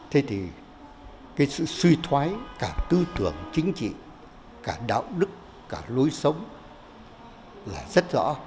thế thì cái sự suy thoái cả tư tưởng chính trị cả đạo đức cả lối sống là rất rõ